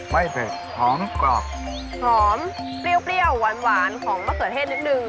ไม่เผ็ดหอมกรอบหอมเปรี้ยวหวานของมะคนเผ็ดนิดนึง